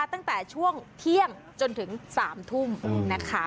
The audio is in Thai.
ตั้งแต่ช่วงเที่ยงจนถึง๓ทุ่มนะคะ